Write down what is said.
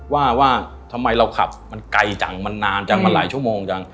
ว่าว่าทำไมเราขับมันไกลจังมันนานจังมาหลายชั่วโมงจัง